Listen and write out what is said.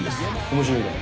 面白いか？